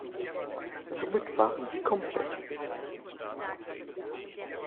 Somit waren sie komplett.